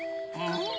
ん？